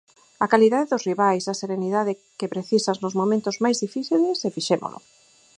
A calidade dos rivais, a serenidade que precisas nos momentos máis difíciles e fixémolo.